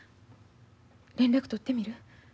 連絡取ってみる？